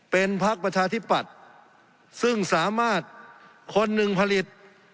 เป็นพักประชาธิปัตย์ซึ่งสามารถคนหนึ่งผลิต